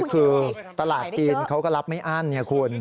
โอ๋คือตลาดจีนเขาก็รับไม่อั้นเนี่ยคุณ